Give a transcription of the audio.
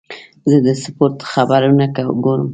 زه د سپورت خبرونه ګورم.